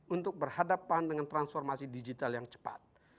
untuk berhadapan dengan transformasi digital yang cepat